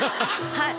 はい。